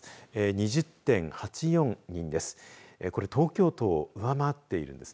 ２０．８４人です。